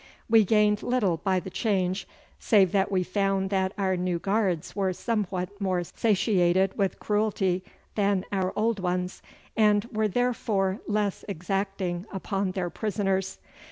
We gained little by the change, save that we found that our new guards were somewhat more satiated with cruelty than our old ones, and were therefore less exacting upon their prisoners.